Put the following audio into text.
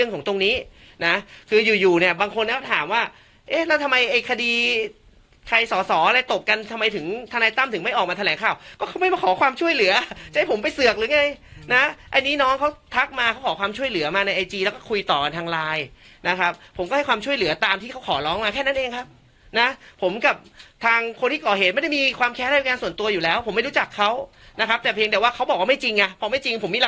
ก็เขาไม่มาขอความช่วยเหลือจะให้ผมไปเสือกหรือไงนะอันนี้น้องเขาทักมาเขาขอความช่วยเหลือมาในไอจีแล้วก็คุยต่อทางลายนะครับผมก็ให้ความช่วยเหลือตามที่เขาขอร้องมาแค่นั้นเองครับนะผมกับทางคนที่ก่อเหตุไม่ได้มีความแค้นอาจารย์ส่วนตัวอยู่แล้วผมไม่รู้จักเขานะครับแต่เพียงแต่ว่าเขาบอกว่าไม่จริงอ่ะพอไม่จริงผม